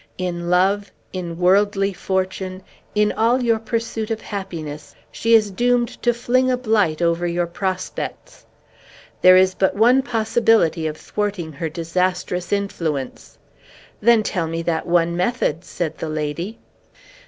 In love, in worldly fortune, in all your pursuit of happiness, she is doomed to fling a blight over your prospects. There is but one possibility of thwarting her disastrous influence." "Then tell me that one method," said the lady.